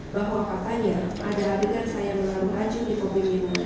bahwa katanya adegan saya yang melalu laju di kopi minum